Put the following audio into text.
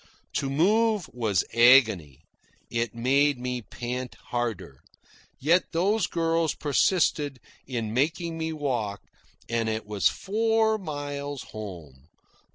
To move was agony. It made me pant harder. Yet those girls persisted in making me walk, and it was four miles home.